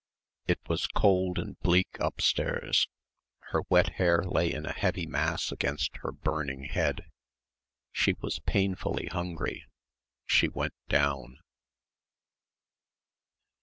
It was cold and bleak upstairs. Her wet hair lay in a heavy mass against her burning head. She was painfully hungry. She went down.